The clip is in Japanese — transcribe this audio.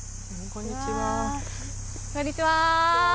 こんにちは。